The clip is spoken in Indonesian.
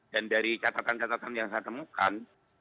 dan dari catatan catatan yang saya temukan